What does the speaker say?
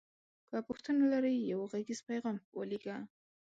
که پوښتنه لری یو غږیز پیغام ولیږه